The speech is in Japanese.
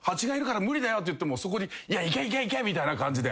って言ってもそこに行け行け行け！みたいな感じで。